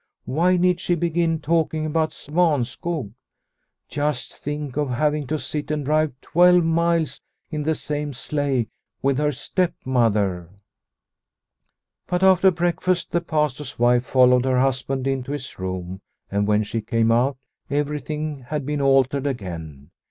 Why need she begin talking about Svanskog ? Just think of having to sit and drive twelve miles in the same sleigh with her stepmother ! But after breakfast, the Pastor's wife fol lowed her husband into his room, and when she came out everything had been altered again.